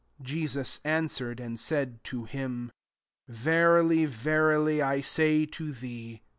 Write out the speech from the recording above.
3 Jesus answered, and said to him, *< Verily, verily, I say to thee.